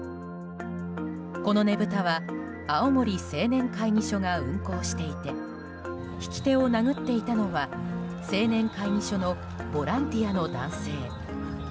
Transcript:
このねぶたは青森青年会議所が運行していて曳手を殴っていたのは青年会議所のボランティアの男性。